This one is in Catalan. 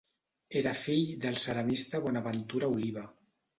Era fill del ceramista Bonaventura Oliva.